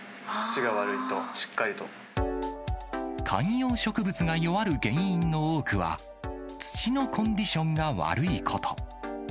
土が悪いと、観葉植物が弱る原因の多くは、土のコンディションが悪いこと。